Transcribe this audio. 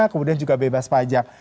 kemudian juga bebas pajak